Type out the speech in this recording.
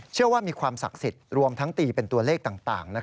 เชื่อว่ามีความศักดิ์สิทธิ์รวมทั้งตีเป็นตัวเลขต่าง